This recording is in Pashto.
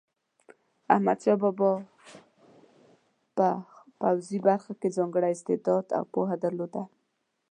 احمدشاه بابا په پوځي برخه کې ځانګړی استعداد او پوهه درلوده.